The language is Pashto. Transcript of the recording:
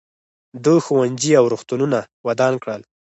ده ښوونځي او روغتونونه ودان کړل.